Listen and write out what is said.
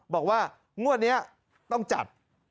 บอกว่างวดนี้ต้องจัด